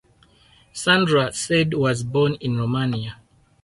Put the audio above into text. Sandra Sade was born in Romania.